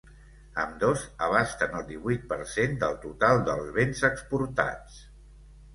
Ambdós abasten el divuit per cent del total dels béns exportats.